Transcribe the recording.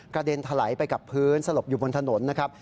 เด็นถลายไปกับพื้นสลบอยู่บนถนนนะครับ